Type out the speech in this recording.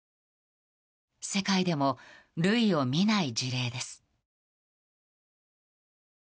世界でも類を見ない事例です。